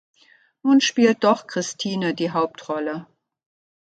Nun spielt doch Christine die Hauptrolle.